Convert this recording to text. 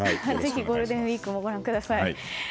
ぜひゴールデンウィークもご覧ください。